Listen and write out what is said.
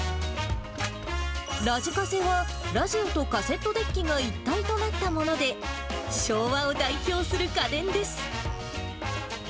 ラジカセはラジオとカセットデッキが一体となったもので、昭和を代表する家電です。